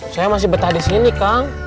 saya masih betah disini kang